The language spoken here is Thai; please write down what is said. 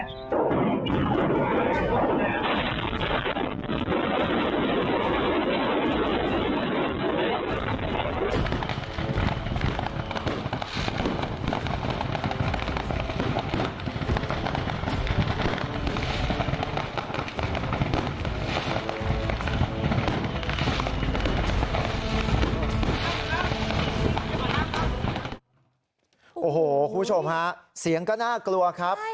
โอ้โหคุณผู้ชมฮะเสียงก็น่ากลัวครับ